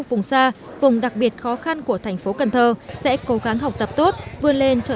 vùng xa vùng đặc biệt khó khăn của thành phố cần thơ sẽ cố gắng học tập tốt vươn lên trở